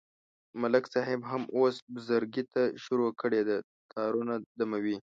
ملک صاحب هم اوس بزرگی ته شروع کړې ده، تارونه دموي.